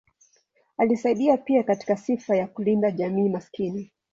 Alisaidia pia katika sifa ya kulinda jamii maskini.